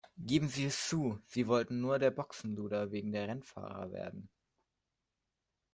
Geben Sie es zu, Sie wollten nur der Boxenluder wegen Rennfahrer werden!